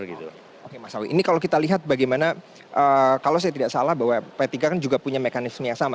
oke mas awi ini kalau kita lihat bagaimana kalau saya tidak salah bahwa p tiga kan juga punya mekanisme yang sama